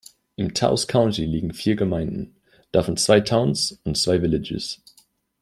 Im Taos County liegen vier Gemeinden, davon zwei "Towns" und zwei "Villages".